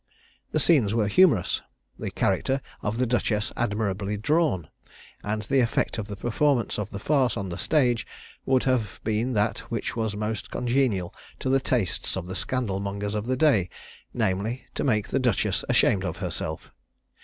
The scenes were humorous; the character of the duchess admirably drawn; and the effect of the performance of the farce on the stage would have been that which was most congenial to the tastes of the scandal mongers of the day namely, to make the duchess ashamed of herself.